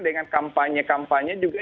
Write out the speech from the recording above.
dengan kampanye kampanye juga